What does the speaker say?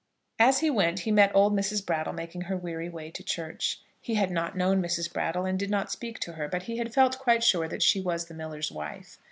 As he went he met old Mrs. Brattle making her weary way to church. He had not known Mrs. Brattle, and did not speak to her, but he had felt quite sure that she was the miller's wife.